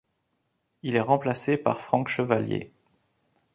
Il est remplacé par Franck Chevallier.